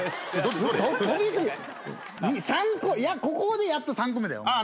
ここでやっと３個目だよ。